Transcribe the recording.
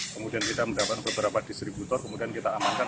kemudian kita mendapat beberapa distributor kemudian kita amankan